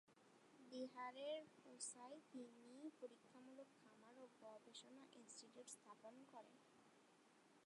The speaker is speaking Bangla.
বিহারের পুসায় তিনি পরীক্ষামূলক খামার ও গবেষণা ইনস্টিটিউট স্থাপন করেন।